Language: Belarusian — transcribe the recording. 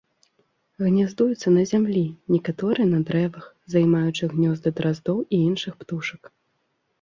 Гняздуюцца на зямлі, некаторыя на дрэвах, займаючы гнёзды драздоў і іншых птушак.